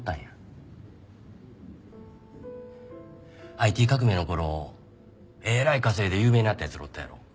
ＩＴ革命の頃えらい稼いで有名になった奴らおったやろ。